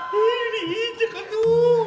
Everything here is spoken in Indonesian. dih dihijekan tuh